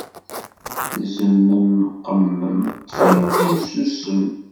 Zemmem qemmem, ṭṭef immi-m sussem.